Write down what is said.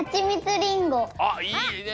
あっいいね。